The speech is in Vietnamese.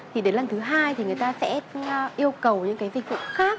thì đến lần thứ hai thì người ta sẽ yêu cầu những cái dịch vụ khác